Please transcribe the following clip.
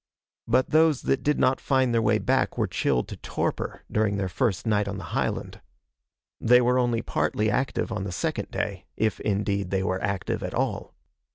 But those that did not find their way back were chilled to torpor during their first night on the highland. They were only partly active on the second day if, indeed, they were active at all.